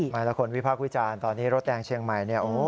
หมายละคนวิพากษ์วิจารณ์ตอนนี้รถแดงเชียงใหม่